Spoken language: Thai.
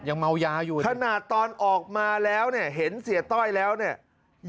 เมายาอยู่ขนาดตอนออกมาแล้วเนี่ยเห็นเสียต้อยแล้วเนี่ย